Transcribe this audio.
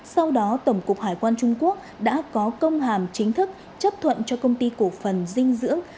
sau đó tổng cục hải quan trung quốc đã có công hàm chính thức chấp thuận cho công ty cổ phần dinh dưỡng